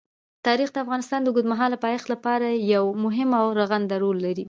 تاریخ د افغانستان د اوږدمهاله پایښت لپاره یو مهم او رغنده رول لري.